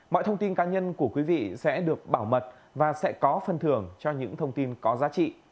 mọi thông tin cá nhân của quý vị sẽ được bảo mật và sẽ có phân thưởng cho những thông tin có giá trị